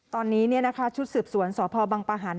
ตอนนี้เนี่ยนะคะชุดสืบสวนสภบังปะหัน